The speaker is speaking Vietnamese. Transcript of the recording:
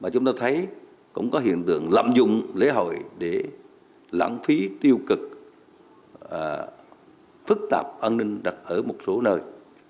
chúng ta thấy cũng có hiện tượng lạm dụng lễ hội để lãng phí tiêu cực phức tạp an ninh đặt ở một số nơi